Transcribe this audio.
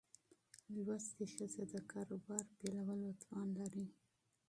زده کړه ښځه د کاروبار پیلولو توان لري.